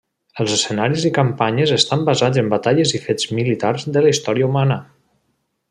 Els escenaris i campanyes estan basats en batalles i fets militars de la història humana.